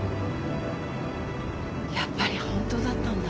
やっぱり本当だったんだ。